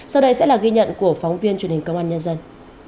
sau đây sẽ là ghi nhận của phóng viên truyền hình công an nhân dân